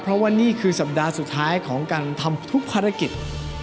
เพราะว่านี่คือสัปดาห์สุดท้ายของการทำทุกภารกิจ